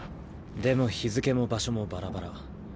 でも日付も場所もバラバラ。